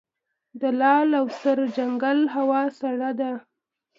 د لعل او سرجنګل هوا سړه ده